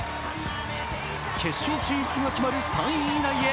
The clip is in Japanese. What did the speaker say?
決勝進出が決まる３位以内へ。